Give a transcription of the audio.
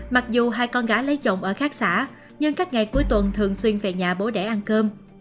mặc dù hai con gái lấy chồng ở khác xã nhưng các ngày cuối tuần thường xuyên về nhà bố đẻ ăn cơm